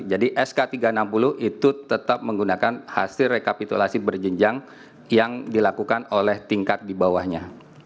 jadi sk tiga ratus enam puluh itu tetap menggunakan hasil rekapitulasi berjenjang yang dilakukan oleh tingkat di bawahnya